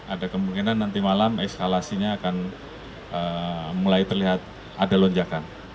ada kemungkinan nanti malam eskalasinya akan mulai terlihat ada lonjakan